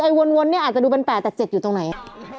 วนเนี่ยอาจจะดูเป็น๘แต่๗อยู่ตรงไหน